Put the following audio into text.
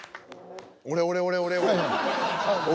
俺俺俺俺俺。